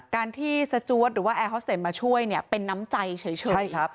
การที่สจ๊วดหรือว่าแอร์ฮอสเตจมาช่วยเป็นน้ำใจเฉยอีก